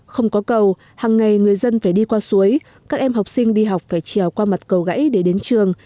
không có cầu hàng ngày người dân phải đi qua suối các em học sinh đi học phải trèo qua mặt cầu gãy để đến trường